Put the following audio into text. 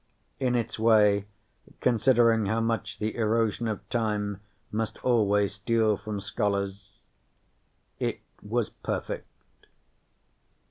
In its way, considering how much the erosion of time must always steal from scholars, it was perfect.